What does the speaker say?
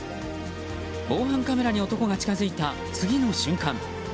防犯カメラに男が近づいた次の瞬間。